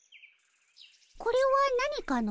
これは何かの？